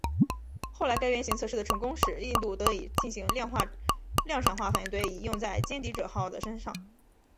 后来该原型测试的成功使印度得以进行量产化反应堆以用在歼敌者号的身上。